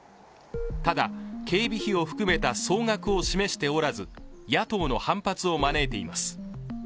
ただ、警備費を含めた総額を示しておらず、野党の反発を招いています。